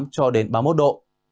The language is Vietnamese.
hai mươi tám cho đến ba mươi một độ